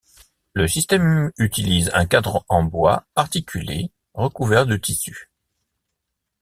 Le système utilise un cadre en bois articulé recouvert de tissu.